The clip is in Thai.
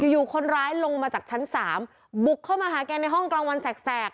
อยู่คนร้ายลงมาจากชั้น๓บุกเข้ามาหาแกในห้องกลางวันแสก